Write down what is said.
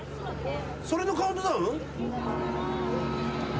それのカウントダウン？